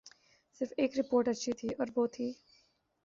صرف ایک رپورٹ اچھی تھی اور وہ تھی۔